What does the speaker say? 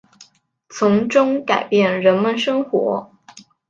从中改变人们生活